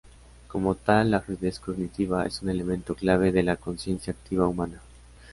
Como tal, la fluidez cognitiva es un elemento clave de la consciencia activa humana.